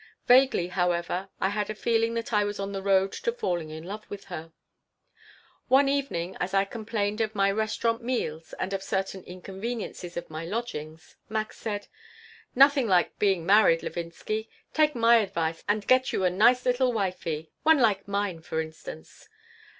Vaguely, however, I had a feeling that I was on the road to falling in love with her One evening, as I complained of my restaurant meals and of certain inconveniences of my lodgings, Max said: "Nothing like being married, Levinsky. Take my advice and get you a nice little wifey. One like mine, for instance."